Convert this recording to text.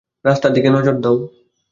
রাস্তার দিকে নজর দাও।